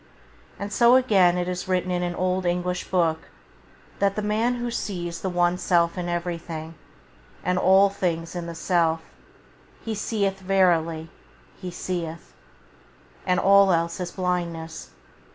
And so again it is written in an old Eastern book, that " the man who sees the One Self in everything, and all things in the [Page 4] Self, he seeth, verily, he seeth". And all else is blindness.